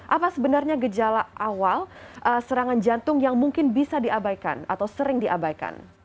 apa sebenarnya gejala awal serangan jantung yang mungkin bisa diabaikan atau sering diabaikan